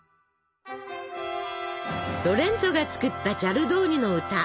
ロレンツォが作ったチャルドーニの歌。